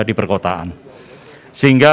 di perkotaan sehingga